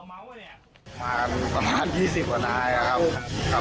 มาประมาณ๒๐กว่านายครับ